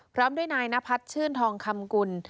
พร้อมด้วยนายนพัฒน์ชื่นทองคำกุล